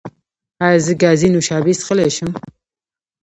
ایا زه ګازي نوشابې څښلی شم؟